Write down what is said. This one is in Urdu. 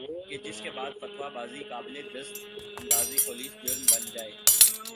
کہ جس کے بعد فتویٰ بازی قابلِ دست اندازیِ پولیس جرم بن جائے